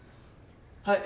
はい！